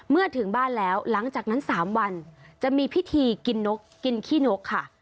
ถึงบ้านแล้วหลังจากนั้น๓วันจะมีพิธีกินนกกินขี้นกค่ะ